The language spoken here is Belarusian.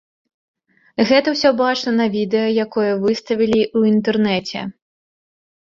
Гэта ўсё бачна на відэа, якое выставілі ў інтэрнэце.